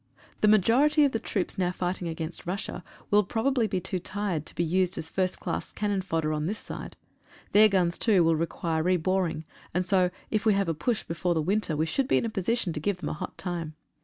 The majority of the troops now fighting against Russia will probably be too tired to be used as first class cannon fodder on this side. Their guns, too, will require re boring, and so if we have a push before the winter we should be in a position to give them a hot time.